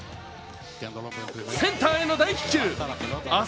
センターへの大飛球。